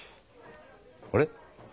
あれ？